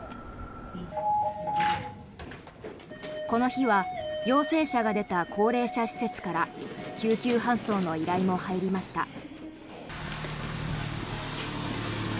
この日は陽性者が出た高齢者施設から救急搬送の依頼も入りました。